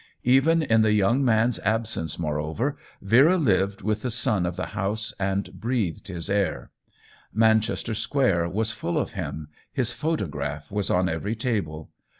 Even in tlie young man's absence, moreover. Vera lived with the son of the house and breathed his air ; Man chester Square was full of him, his photo graph was on every table.